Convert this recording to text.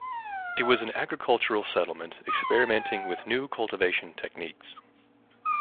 It was an agricultural settlement experimenting with new cultivation techniques.